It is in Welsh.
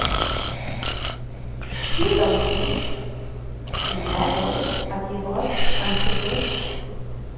“Mi ddoi di?” “Dwi'n meddwl,” atebodd, gan sibrwd.